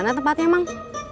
di mana tempatnya mang